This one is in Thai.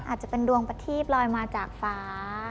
อาจจะเป็นดวงประทีบลอยมาจากฟ้า